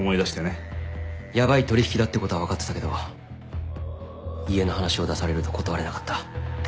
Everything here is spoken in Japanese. ヤバい取引だってことは分かってたけど家の話を出されると断れなかった。